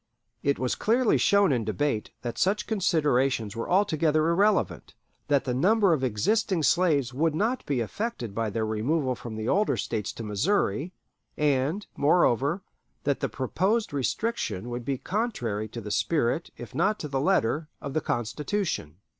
It was clearly shown in debate that such considerations were altogether irrelevant; that the number of existing slaves would not be affected by their removal from the older States to Missouri; and, moreover, that the proposed restriction would be contrary to the spirit, if not to the letter, of the Constitution.